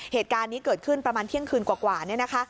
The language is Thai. เหตุการณ์นี้เกิดขึ้นประมาณเที่ยงคืนกว่าเนี่ยนะคะ